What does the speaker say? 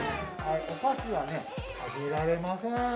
お菓子はあげられません。